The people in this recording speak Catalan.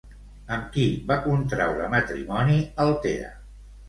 Amb qui va contraure matrimoni Altea?